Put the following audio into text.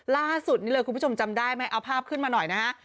ล่าสุดนี้เลยคุณผู้ชมจำได้ไหมเอาภาพขึ้นมาหน่อยนะฮะ